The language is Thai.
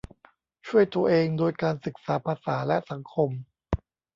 ช่วยตัวเองโดยการศึกษาภาษาและสังคม